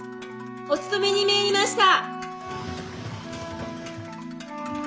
おつとめに参りました。